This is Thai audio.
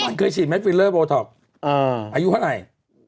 ขวานเคยสีเม็ดฟิลเรอบโบท็อกส์อายุเท่าไหร่